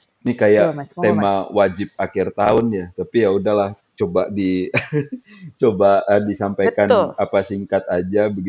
ini kayak tema wajib akhir tahun ya tapi yaudahlah coba disampaikan singkat aja